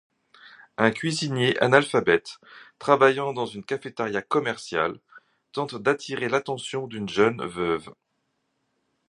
Un cuisinier analphabète travaillant dans une cafétéria commerciale tente d'attirer l'attention d'une jeune veuve.